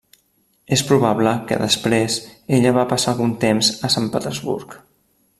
És probable que després ella va passar algun temps a Sant Petersburg.